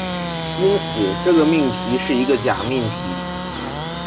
因此，这个命题是一个假命题。